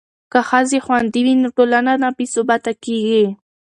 که ښځې خوندي وي نو ټولنه نه بې ثباته کیږي.